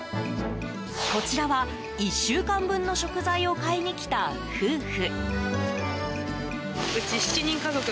こちらは１週間分の食材を買いに来た夫婦。